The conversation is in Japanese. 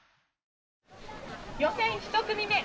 「予選１組目」